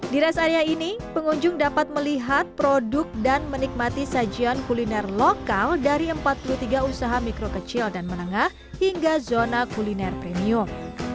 di rest area ini pengunjung dapat melihat produk dan menikmati sajian kuliner lokal dari empat puluh tiga usaha mikro kecil dan menengah hingga zona kuliner premium